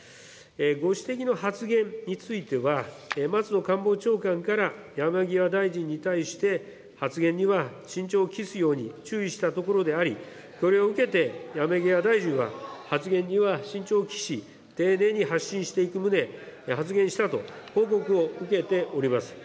ご指摘の発言については、松野官房長官から山際大臣に対して、発言には慎重を期すように注意したところであり、それを受けて、山際大臣は発言には慎重を期し、丁寧に発信していく旨、発言したと報告を受けております。